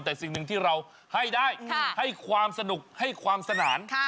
แต่สิ่งหนึ่งที่เราให้ได้ให้ความสนุกให้ความสนาน